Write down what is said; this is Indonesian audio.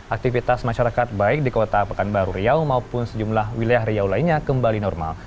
aktivitas masyarakat baik di kota pekanbaru riau maupun sejumlah wilayah riau lainnya kembali normal